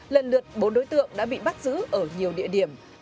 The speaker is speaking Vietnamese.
lần lượt bốn đối tượng đã bị bắt giữ ở nhiều địa điểm